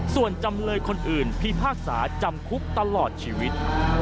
ส่วนจำเลยคนอื่นพิพากษาจำคุกตลอดชีวิต